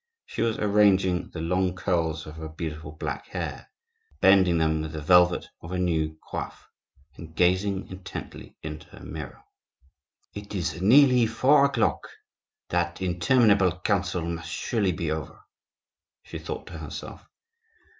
She was arranging the long curls of her beautiful black hair, blending them with the velvet of a new coif, and gazing intently into her mirror. "It is nearly four o'clock; that interminable council must surely be over," she thought to herself.